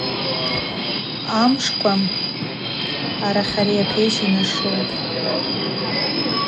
Амшвква арахьари апещ йнашылтӏ.